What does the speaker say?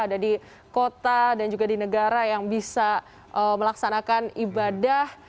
ada di kota dan juga di negara yang bisa melaksanakan ibadah